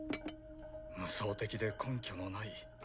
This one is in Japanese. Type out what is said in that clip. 夢想的で根拠のない